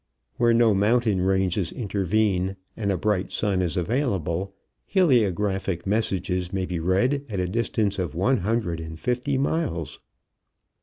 Where no mountain ranges intervene and a bright sun is available, heliographic messages may be read at a distance of one hundred and fifty miles.